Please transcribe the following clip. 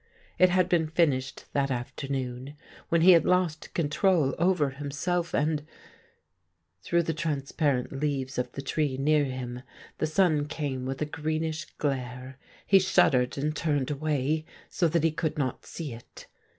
It had been finished that afternoon, when he had lost control over him self, and Through the transparent leaves of the tree near him the sun came with a greenish glare. He shuddered and turned away, so that he could not see it.